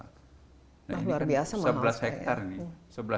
nah ini kan sebelas hektar nih